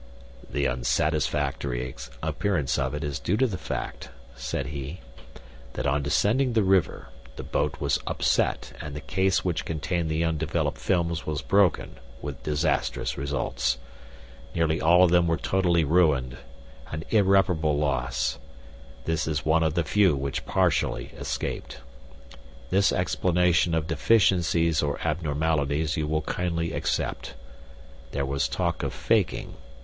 "The unsatisfactory appearance of it is due to the fact," said he, "that on descending the river the boat was upset and the case which contained the undeveloped films was broken, with disastrous results. Nearly all of them were totally ruined an irreparable loss. This is one of the few which partially escaped. This explanation of deficiencies or abnormalities you will kindly accept. There was talk of faking.